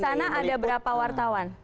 di sana ada berapa wartawan